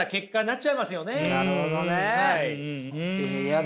なるほどねえ。